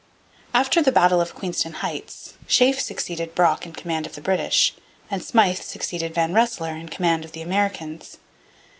After the battle of Queenston Heights Sheaffe succeeded Brock in command of the British, and Smyth succeeded Van Rensselaer in command of the Americans.